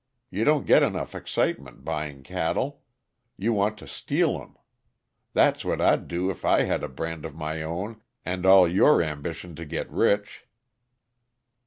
You don't get enough excitement buying cattle; you want to steal 'em. That's what I'd do if I had a brand of my own and all your ambitions to get rich."